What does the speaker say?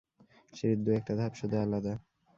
সিঁড়ির দু-একটা ধাপ শুধু আলাদা।